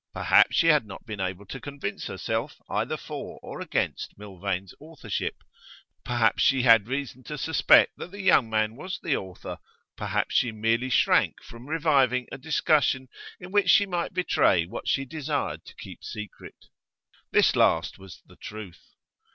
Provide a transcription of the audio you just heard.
Perhaps she had not been able to convince herself either for or against Milvain's authorship; perhaps she had reason to suspect that the young man was the author; perhaps she merely shrank from reviving a discussion in which she might betray what she desired to keep secret. This last was the truth.